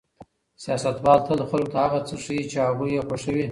سیاستوال تل خلکو ته هغه څه ښيي چې هغوی یې خوښوي.